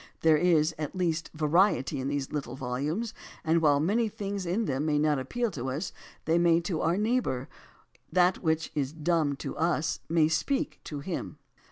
There is, at least, variety in these little volumes, and while many things in them may not appeal to us, they may to our neighbor. That which "is dumb to us may speak to him."